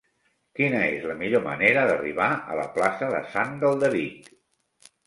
Quina és la millor manera d'arribar a la plaça de Sant Galderic?